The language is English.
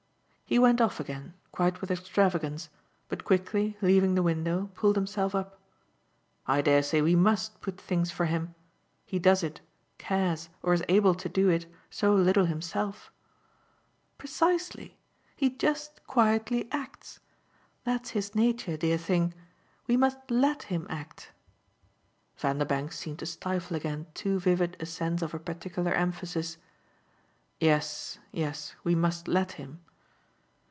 He went off again, quite with extravagance, but quickly, leaving the window, pulled himself up. "I dare say we MUST put things for him he does it, cares or is able to do it, so little himself." "Precisely. He just quietly acts. That's his nature, dear thing. We must LET him act." Vanderbank seemed to stifle again too vivid a sense of her particular emphasis. "Yes, yes we must let him."